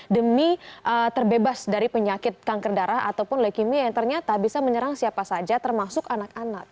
demi terbebas dari penyakit kanker darah ataupun leukemia yang ternyata bisa menyerang siapa saja termasuk anak anak